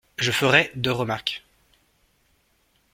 Je ferai deux remarques.